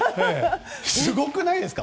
すごくないですか。